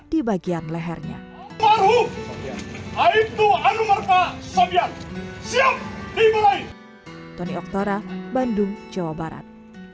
di bagian lehernya almarhum aibdu anumerta sofyan siap dibalik tony oktora bandung jawa barat